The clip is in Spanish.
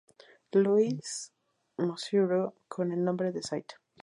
Louis, Missouri con el nombre St.